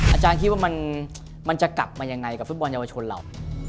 อาจารย์คิดว่ามันจะกลับมายังไงกับฟุตบอลเยาวชนเรา